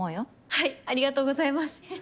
はいありがとうございますははっ。